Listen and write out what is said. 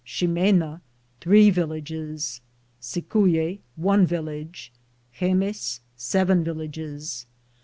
Ximeua, 1 three villages. Cicuye, one village. Hemes," seven villages.